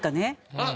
あっ！